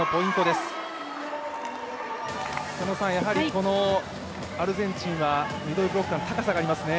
このアルゼンチンはミドルブロッカー高さがありますよね。